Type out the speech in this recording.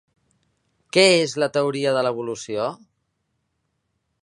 Què és la teoria de l'evolució?